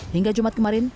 hingga jumat kemarin